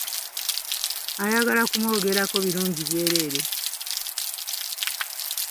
Ayagala kumwogerako birungi byereere.